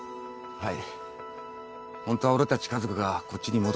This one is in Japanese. はい。